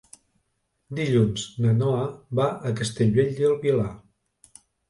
Dilluns na Noa va a Castellbell i el Vilar.